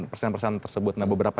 persen tersebut nah beberapa